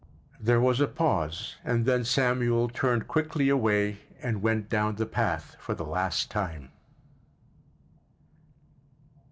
There was a pause and then Samuel turned quickly away and went down the path for the last time.